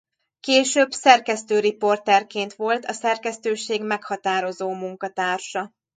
Később szerkesztő-riportereként volt a szerkesztőség meghatározó munkatársa.